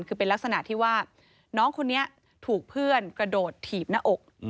คือเป็นลักษณะที่ว่าน้องคนนี้ถูกเพื่อนกระโดดถีบหน้าอก